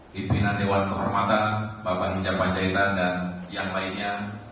pimpinan dewan kehormatan bapak hinjar panjaitan dan yang lainnya